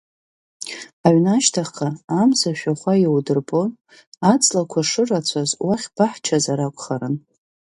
Аҩны ашьҭахьҟа Амза ашәахәа иудырбон аҵлақәа шырацәаз, уахь баҳчаразар акәхарын.